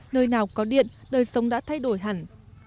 nơi nào có điện đời sống đã thay đổi hẳn